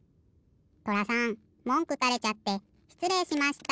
とらさんもんくたれちゃってしつれいしました。